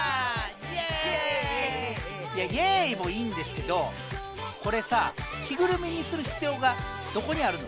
イエイもいいんですけどこれさ着ぐるみにする必要がどこにあるの？